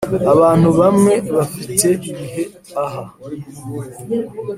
abantu bamwe bafite ibihe "aha